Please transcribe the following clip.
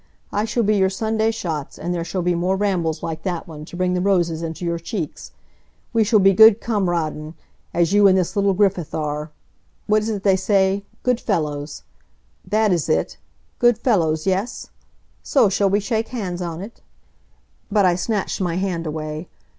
I shall be your Sunday Schatz, and there shall be more rambles like that one, to bring the roses into your cheeks. We shall be good Kameraden, as you and this little Griffith are what is it they say good fellows? That is it good fellows, yes? So, shall we shake hands on it?" But I snatched my hand away.